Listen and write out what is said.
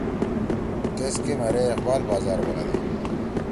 تیسکے مھیرے اقبال بازار بنَدی